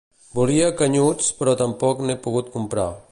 Volia canyuts però tampoc n'he pogut comprar